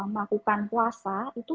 melakukan puasa itu